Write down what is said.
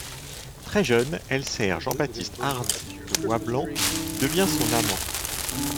Très jeune, elle sert Jean Baptiste Hardy de Bois Blanc, qui devient son amant.